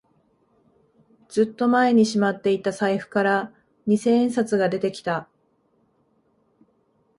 ずっと前にしまっていた財布から二千円札が出てきた